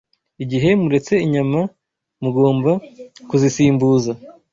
Igihe muretse inyama, mugomba kuzisimbuza